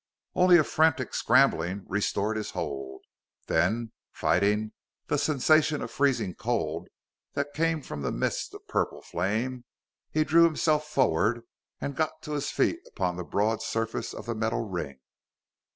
Only a frantic scrambling restored his hold. Then, fighting the sensation of freezing cold that came from the mist of purple flame, he drew himself forward and got to his feet upon the broad surface of the metal ring.